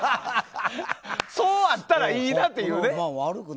そうあったらいいなっていうね。